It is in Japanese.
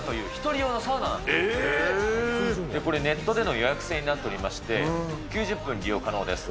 これ、ネットでの予約制になってまして、９０分利用可能です。